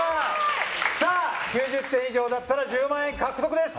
９０点以上だったら１０万円獲得です。